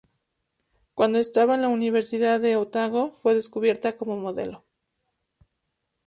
Cuando estaba en la Universidad de Otago fue descubierta como modelo.